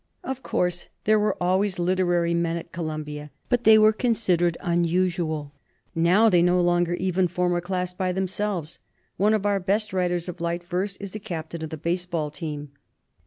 "Of course, there were always 'literary men' at Columbia, but they were considered unusual. Now they no longer even form a class by them selves. One of our best writers of light verse is the captain of the baseball team.